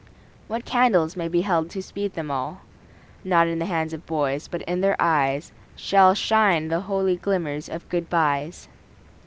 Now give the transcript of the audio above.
What candles may be held to speed them all? Not in the hands of boys, but in their eyes Shall shine the holy glimmers of good byes.